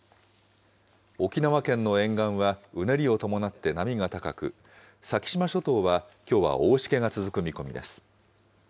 沖縄県の沿岸はうねりを伴って波が高く、先島諸島は、きょうは大しけが続く見込みです。